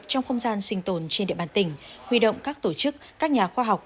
trong không gian sinh tồn trên địa bàn tỉnh huy động các tổ chức các nhà khoa học